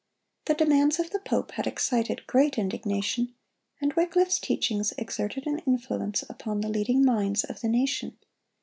The demands of the pope had excited great indignation, and Wycliffe's teachings exerted an influence upon the leading minds of the nation.